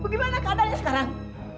bagaimana keadaannya sekarang